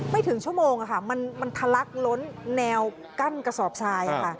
ไม่ถึงชั่วโมงอะค่ะมันมันทะลักล้นแนวกั้นกระสอบทรายอะค่ะ